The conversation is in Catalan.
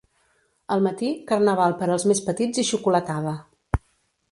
Al matí, carnaval per als més petits i xocolatada.